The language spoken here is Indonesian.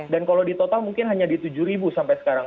dan kalau di total mungkin hanya di tujuh sampai sekarang